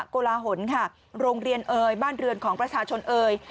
โกลาหลค่ะโรงเรียนเอ่ยบ้านเรือนของประชาชนเอ่ย